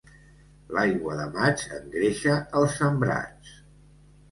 L'aigua de maig engreixa els sembrats.